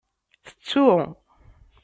Tettu.